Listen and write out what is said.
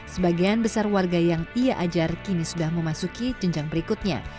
sebagian besar warga yang ia ajar kini sudah memasuki jenjang berikutnya